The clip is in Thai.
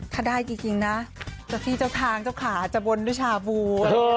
ถ้าได้จริงนะเจ้าที่เจ้าทางเจ้าขาจะบนด้วยชาบู